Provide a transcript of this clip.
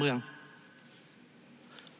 จึงฝากกลับเรียนเมื่อเรามีการแก้รัฐพาหารกันอีก